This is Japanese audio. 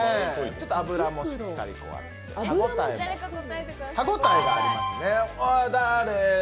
ちょっと脂もしっかりあって、歯応えがありますね。